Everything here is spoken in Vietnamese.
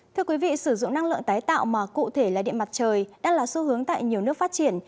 thưa quý vị sử dụng năng lượng tái tạo mà cụ thể là điện mặt trời đã là xu hướng tại nhiều nước phát triển